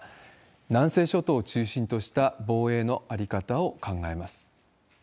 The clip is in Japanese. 南西諸島を中心とした防衛の在り方を考えます。